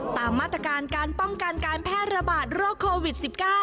ตามมาตรการการป้องกันการแพร่ระบาดโรคโควิด๑๙